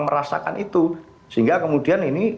merasakan itu sehingga kemudian ini